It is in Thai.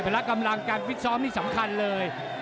ละกำลังการฟิตซ้อมนี่สำคัญเลย